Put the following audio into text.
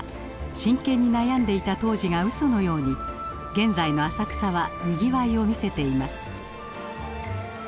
真剣に悩んでいた当時がうそのように現在の浅草はにぎわいを見せています。